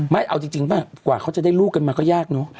ไม่เอาจริงป่ะกว่าเขาจะได้ลูกกันมาก็ยากเนอะ